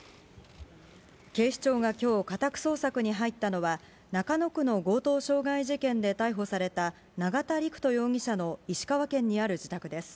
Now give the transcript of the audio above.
警視庁がきょう、家宅捜索に入ったのは、中野区の強盗傷害事件で逮捕された、永田陸人容疑者の石川県にある自宅です。